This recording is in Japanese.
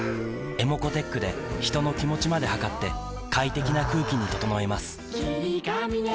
ｅｍｏｃｏーｔｅｃｈで人の気持ちまで測って快適な空気に整えます